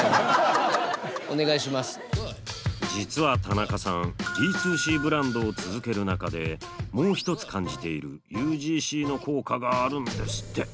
実は田中さんＤ２Ｃブランドを続ける中でもう一つ感じているＵＧＣの効果があるんですって。